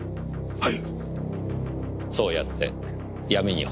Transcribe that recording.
はい？